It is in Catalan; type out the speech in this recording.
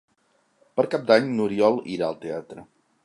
Per Cap d'Any n'Oriol irà al teatre.